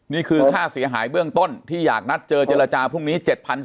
นี่คือค่าเสียหายเบื้องต้นที่อยากนัดเจอเจรจาพรุ่งนี้๗๐๐